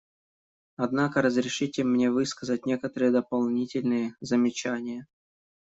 Однако разрешите мне высказать некоторые дополнительные замечания.